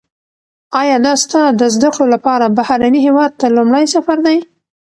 ایا دا ستا د زده کړو لپاره بهرني هیواد ته لومړنی سفر دی؟